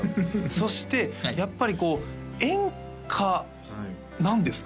そしてやっぱりこう演歌なんですか？